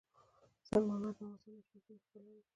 سنگ مرمر د افغانستان د شنو سیمو ښکلا ده.